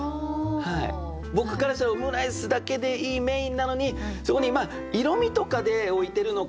僕からしたらオムライスだけでいいメインなのにそこに色みとかで置いてるのかなとか。